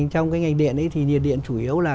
trong cái ngành điện ấy thì nhiệt điện chủ yếu là